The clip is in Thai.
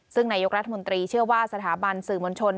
ซึ่งนายกรัฐมนตรีเชื่อว่าสถาบันสื่อมวลชน